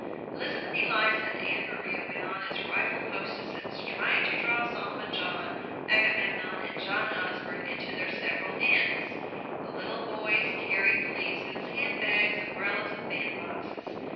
Elizabeth Eliza and Ann Maria went on as rival hostesses, trying to draw Solomon John, Agamemnon, and John Osborne into their several inns. The little boys carried valises, hand bags, umbrellas, and bandboxes.